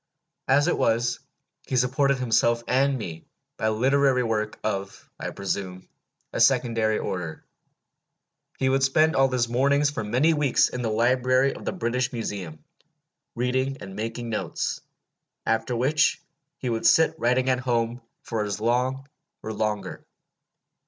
As it was, he supported himself and me by literary work of, I presume, a secondary order. He would spend all his mornings for many weeks in the library of the British Museum, reading and making notes; after which he would sit writing at home for as long or longer.